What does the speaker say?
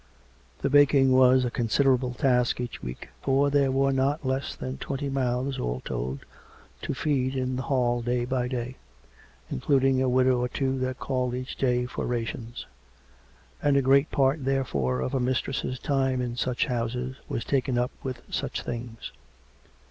The baking was a considerable task each week, for there were not less than twenty mouths, all told, to feed in the hall day by day, including a widow or two that called each day for rations ; and a great part, therefore, of a mistress's time in such houses was taken up with such things.